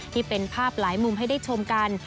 ที่เป็นภาพหลายมุมให้ได้ชมกัน